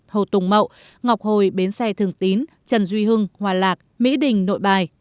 hồ tùng mậu ngọc hồi bến xe thường tín trần duy hưng hòa lạc mỹ đình nội bài